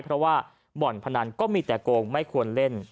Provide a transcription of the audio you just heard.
เพราะว่าบ่อนพนันก็มีแต่โกงไม่ควรเล่น